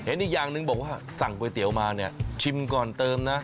อีกอย่างหนึ่งบอกว่าสั่งก๋วยเตี๋ยวมาเนี่ยชิมก่อนเติมนะ